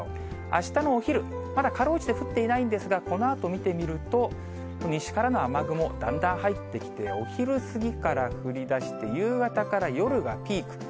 あしたのお昼、まだかろうじて降っていないんですが、このあと見てみると、西からの雨雲、だんだん入ってきて、お昼過ぎから降りだして、夕方から夜がピークと。